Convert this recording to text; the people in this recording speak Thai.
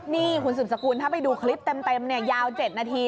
นี่คุณสืบสกุลถ้าไปดูคลิปเต็มเนี่ยยาว๗นาที